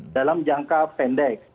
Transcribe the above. dalam jangka pendek